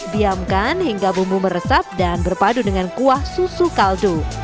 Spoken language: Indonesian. diamkan hingga bumbu meresap dan berpadu dengan kuah susu kaldu